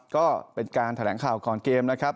ก็เป็นการแถลงข่าวก่อนเกมนะครับ